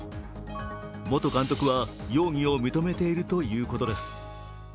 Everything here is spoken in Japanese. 元監督は容疑を認めているということです。